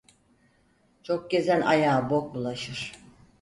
Çok gezen ayağa bok bulaşır.